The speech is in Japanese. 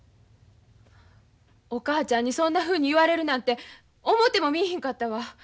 お母ちゃんにそんなふうに言われるなんて思てもみいひんかったわ。